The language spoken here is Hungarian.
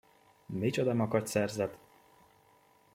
Micsoda makacs szerzet!